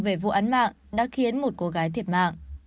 về vụ án mạng đã khiến một cô gái thiệt mạng